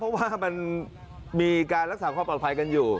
เพราะว่ามันมีการรักษาความปลอดภัยกันอยู่